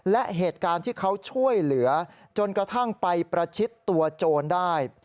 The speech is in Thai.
และเหตุการณ์ที่เขาช่วยเหลือจนกระทั่งไปประชิดตัวโจรได้